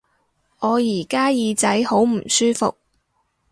我而家耳仔好唔舒服